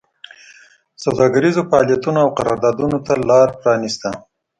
سوداګریزو فعالیتونو او قراردادونو ته لار پرانېسته